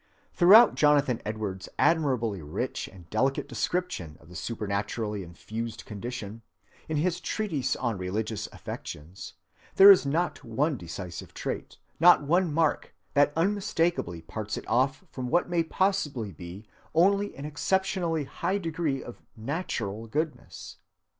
Throughout Jonathan Edwards's admirably rich and delicate description of the supernaturally infused condition, in his Treatise on Religious Affections, there is not one decisive trait, not one mark, that unmistakably parts it off from what may possibly be only an exceptionally high degree of natural goodness.